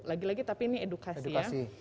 lagi lagi tapi ini edukasi ya